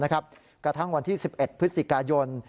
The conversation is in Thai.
กระทั่งวันที่๑๑พฤศจิกายน